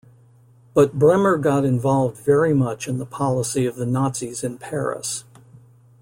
But Bremer got involved very much in the policy of the Nazis in Paris.